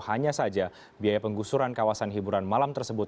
hanya saja biaya penggusuran kawasan hiburan malam tersebut